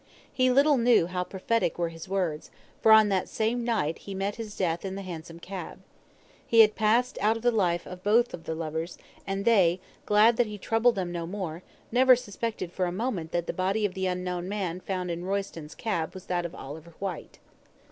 He little knew how prophetic were his words, for on that same night he met his death in the hansom cab. He had passed out of the life of both the lovers, and they, glad that he troubled them no more, never suspected for a moment that the body of the unknown man found in Royston's cab was that of Oliver Whyte.